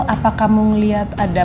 apakah kamu ngeliat ada